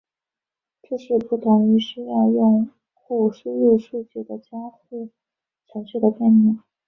这是不同于需要用户输入数据的交互程序的概念。